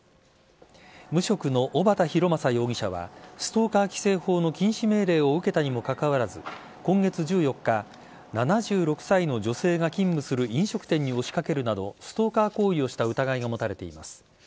無職の小畑洋正容疑者はストーカー規制法の禁止命令を受けたにもかかわらず今月１４日７６歳の女性が勤務する飲食店に押しかけるなどストーカー行為をした疑いが持たれています。